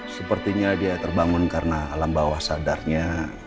sepertinya dia terbangun karena alam bawah sadarnya